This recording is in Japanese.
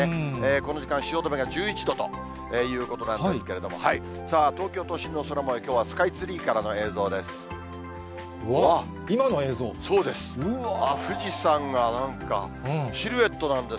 この時間、汐留が１１度ということなんですけれども、さあ、東京都心の空もよう、きょうはスカイツリーからの映像です。